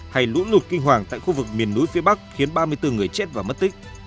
hay lũ lụt kinh hoàng tại khu vực miền núi phía bắc khiến ba mươi bốn người chết và mất tích